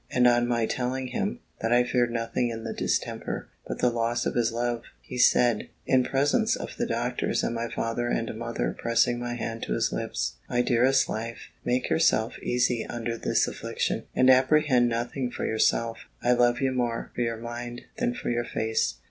And on my telling him, that I feared nothing in the distemper, but the loss of his love, he said, in presence of the doctors, and my father and mother, pressing my hand to his lips "My dearest life, make yourself easy under this affliction, and apprehend nothing for yourself: I love you more, for your mind than for your face.